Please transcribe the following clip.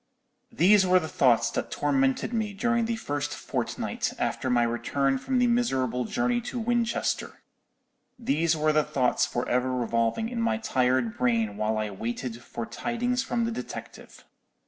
"These were the thoughts that tormented me during the first fortnight after my return from the miserable journey to Winchester; these were the thoughts for ever revolving in my tired brain while I waited for tidings from the detective.